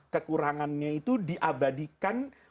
kekurangannya itu diabadikan